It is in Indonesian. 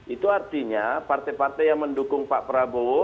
itu artinya partai partai yang mendukung pak prabowo